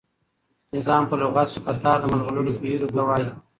نظام په لغت کښي په تار د ملغلرو پېیلو ته وايي.